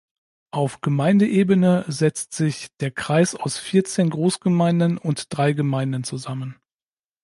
Auf Gemeindeebene setzt sich der Kreis aus vierzehn Großgemeinden und drei Gemeinden zusammen.